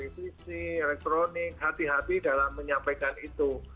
revisi elektronik hati hati dalam menyampaikan itu